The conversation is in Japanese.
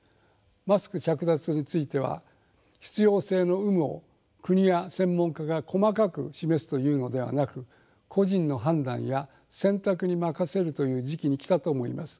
マスク着脱については必要性の有無を国や専門家が細かく示すというのではなく個人の判断や選択に任せるという時期に来たと思います。